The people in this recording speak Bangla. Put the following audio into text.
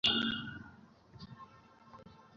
আমরা পুরোপুরি বিপরীত মেরুর মানুষ, ঠিক?